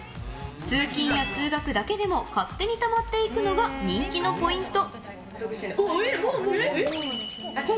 通勤や通学だけでも勝手にたまっていくのが人気のポイント。